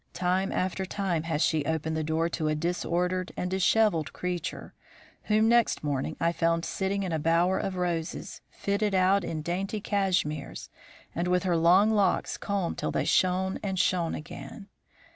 Time after time has she opened the door to a disordered and dishevelled creature, whom next morning I found sitting in a bower of roses, fitted out in dainty cashmeres, and with her long locks combed till they shone and shone again.